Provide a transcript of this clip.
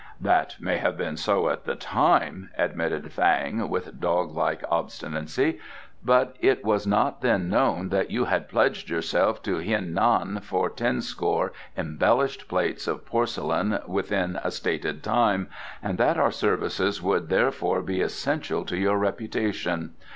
"That may have been so at the time," admitted Fang, with dog like obstinacy, "but it was not then known that you had pledged yourself to Hien Nan for tenscore embellished plates of porcelain within a stated time, and that our services would therefore be essential to your reputation.